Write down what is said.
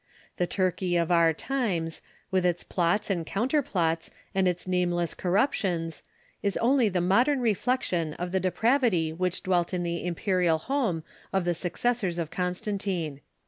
The Turkey of our times, with its plots and counter plots and its nameless corruptions, is only the modern reflection of the depravity which dwelt in the imperial home of the successors of Constantine.